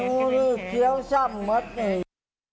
ขี๊อข์ชอบมะนี่